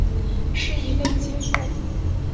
是一类激素。